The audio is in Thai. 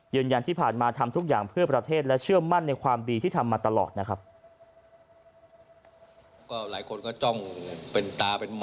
ยืนยันที่ผ่านมาทำทุกอย่างเพื่อประเทศและเชื่อมั่นในความดีที่ทำมาตลอดนะครับ